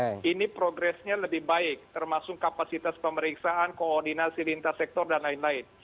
nah ini progresnya lebih baik termasuk kapasitas pemeriksaan koordinasi lintas sektor dan lain lain